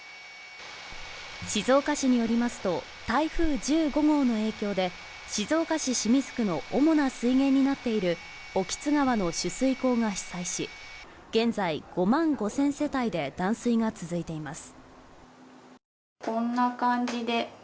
静岡市によりますと、台風１５号の影響で静岡市清水区の主な水源になっている興津川の取水口が被災し、現在５万５０００世帯で断水が続いています。